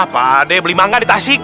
pak de beli mangga di tasik